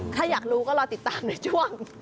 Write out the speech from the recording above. ถ้าอยากรู้ก็รอติดตามในช่วง